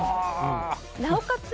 なおかつ